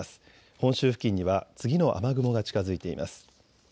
本州付近には次の雨雲が近づいています。